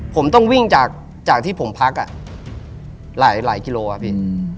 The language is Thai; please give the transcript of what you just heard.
ผมต้องวิ่งจากจากที่ผมพักอ่ะหลายหลายกิโลอ่ะพี่อืม